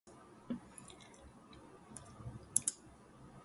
In two weeks, the company will announce its latest financial results.